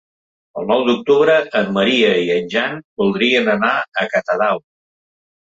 El nou d'octubre en Maria i en Jan voldrien anar a Catadau.